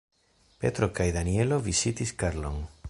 Petro kaj Danjelo vizitis Karlon.